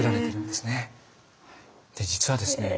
で実はですね